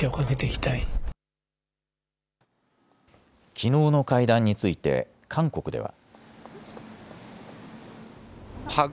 きのうの会談について韓国では。